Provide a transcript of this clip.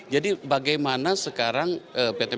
jadi bagaimana sekarang pt mentari